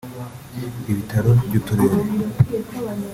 ibitaro by’uturere